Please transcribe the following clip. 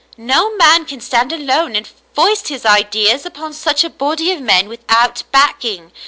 No man can stand alone and foist his ideas upon such a body of men, without backing.